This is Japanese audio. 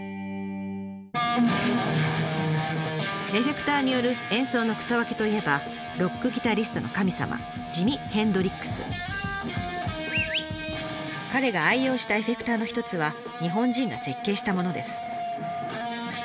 エフェクターによる演奏の草分けといえばロックギタリストの神様彼が愛用したエフェクターの一つは日本人が設計したものです。